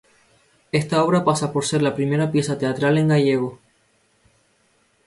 Esta obra pasa por ser la primera pieza teatral en gallego.